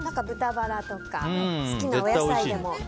豚バラとか、好きなお野菜でも。